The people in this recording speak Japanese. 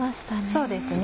そうですね。